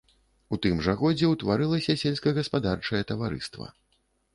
У тым жа годзе ўтварылася сельскагаспадарчае таварыства.